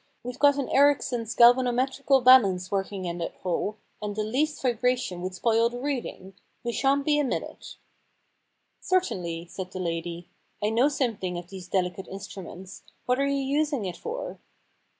We've got an Erichsen's galvanometrical balance working in that hole, and the least vibration would spoil the reading. We shan't be a minute.' * Certainly,' said the lady. * I know some The Problem Club thing of these delicate instruments. What are you using it for